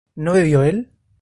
¿no bebió él?